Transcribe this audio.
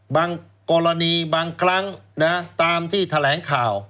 บางกรณีบางครั้งตามที่แถลงข่าว